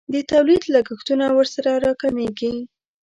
د تولید لګښتونه ورسره راکمیږي.